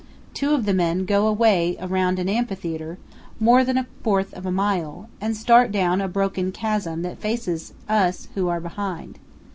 Two of the men go away around an amphitheater, more than a fourth of a mile, and start down a broken chasm that faces us who are behind.